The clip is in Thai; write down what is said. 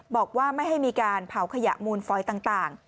บอกว่าไม่ให้มีการเผาขยะมูลฟอยต่าง